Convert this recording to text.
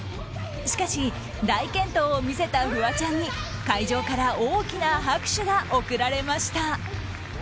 しかし、大健闘を見せたフワちゃんに会場から大きな拍手が送られました。